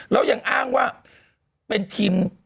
แล้วยังอ้างว่าเป็นทีม